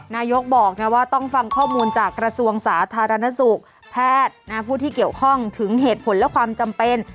นายกบอกว่าต้องฟังข้อมูลจากกระทรวงสาธารณสุขแพทย์ผู้ที่เกี่ยวข้องถึงเหตุผลและความจำเป็น